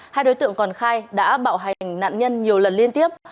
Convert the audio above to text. hai đối tượng còn khai đã bạo hành nạn nhân nhiều lần liên tiếp